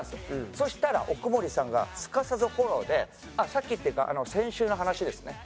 そしたら奥森さんがすかさずフォローで「あっさっきっていうか先週の話ですね」。